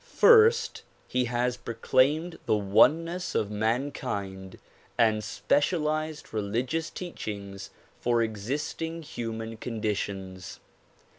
First, he has proclaimed the oneness of mankind and specialized religious teachings for existing human conditions.